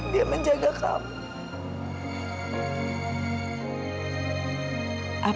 dia menjaga kamu